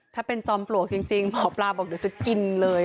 ถ้าเป็นจอมปลวกจริงหมอปลาบอกเดี๋ยวจะกินเลย